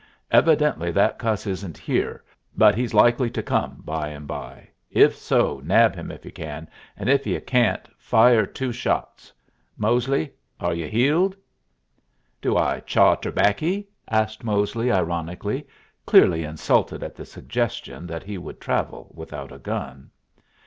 Evidently that cuss isn't here, but he's likely to come by and by. If so, nab him if you can, and if you can't, fire two shots. Mosely, are you heeled?" "Do I chaw terbaccy?" asked Mosely, ironically, clearly insulted at the suggestion that he would travel without a gun.